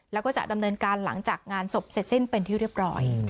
แล้วก็จะดำเนินการหลังจากงานศพเสร็จสิ้นเป็นที่เรียบร้อย